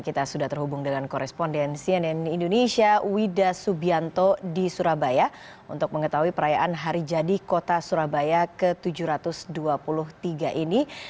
kita sudah terhubung dengan koresponden cnn indonesia wida subianto di surabaya untuk mengetahui perayaan hari jadi kota surabaya ke tujuh ratus dua puluh tiga ini